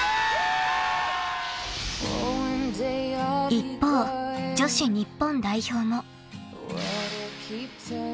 ［一方女子日本代表も］